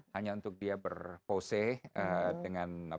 hanya untuk dia berpose dengan